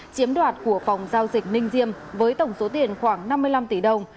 chiếm đoạt của phòng giao dịch ninh diêm với tổng số tiền khoảng năm mươi năm tỷ đồng